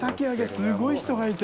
すごい人がいて！